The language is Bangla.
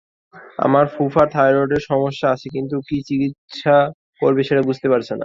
আমার ফুফার থায়রয়েডের সমস্যা আছে কিন্তু কী চিকিৎসা করবে সেটা বুঝতে পারছে না।